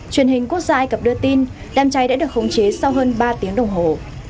truyền hình quốc gia ai cập đưa tin đám cháy đã được khống chế sau hơn ba tiếng đồng hồ